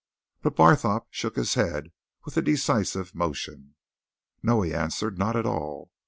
But Barthorpe shook his head with a decisive motion. "No," he answered. "Not at all!